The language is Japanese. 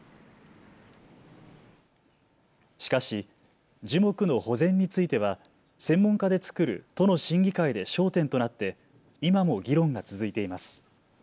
しかし、樹木の保全については専門家で作る都の審議会で焦点となって、今も議論が続いています。